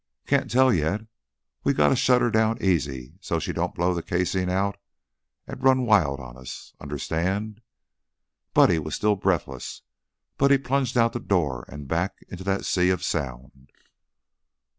"Can't tell yet. We gotta shut her down easy so she don't blow the casing out run wild on us, understand?" Buddy was still breathless, but he plunged out the door and back into that sea of sound.